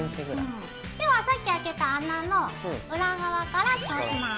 ではさっき開けた穴の裏側から通します。